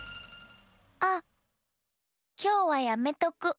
あっきょうはやめとく。